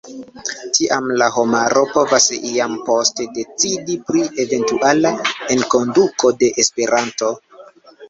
Tiam la homaro povos iam poste decidi pri eventuala enkonduko de Esperanto.